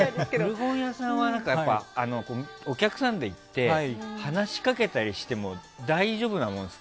古本屋さんはお客さんで行って話しかけたりしても大丈夫なものですか？